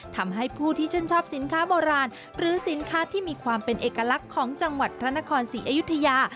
ทำให้ผู้ที่ชื่นชอบสินค้าโบราณหรือสินค้าที่มีความเป็นเอกลักษณ์ของจังหวัดพระนครศรีอยุธยา